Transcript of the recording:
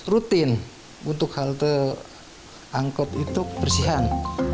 rutin untuk halte angkot itu kebersihan